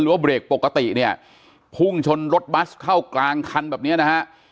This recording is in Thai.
หรือว่าเบรกปกติพุ่งชนรถบัสเข้ากลางคันแบบนี้นะฮะ